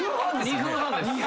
２分半です。